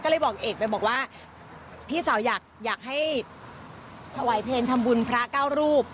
แล้วก็บอกว่าพี่สาวอยากให้ถวายเพ็ญทำบุญพระเก้ารูป